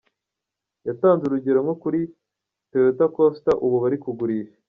Yatanze urugero nko kuri “Toyota Coaster” ubu bari kugurisha.